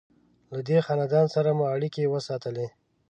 له دې خاندان سره مو اړیکې وساتلې.